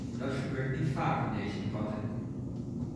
Dat gebeurt niet vaak in deze debatten.